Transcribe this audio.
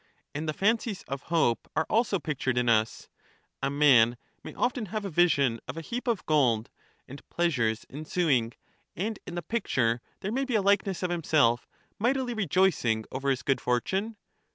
And the fancies of hope are also pictured in us ; a man may often have a vision of a heap of gold, and pleasures ensuing, and in the picture there may be a likeness of himself mightily rejoicing over his good fortune.